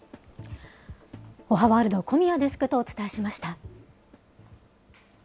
おはワールド、小宮デスクとお伝えしました。